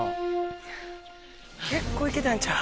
結構行けたんちゃう？